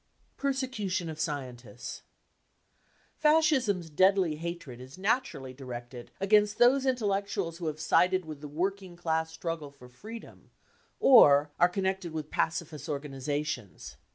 Persecution of Scientists. Fascism's deadly hatred is naturally directed against those intellectuals who have sided with the working class struggle for freedom or are connected with pacifist organisations.